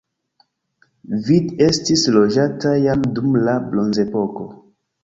Vid estis loĝata jam dum la bronzepoko.